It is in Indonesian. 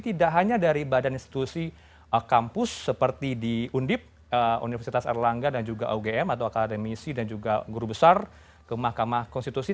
tidak hanya dari badan institusi kampus seperti di undip universitas erlangga dan juga ugm atau akademisi dan juga guru besar ke mahkamah konstitusi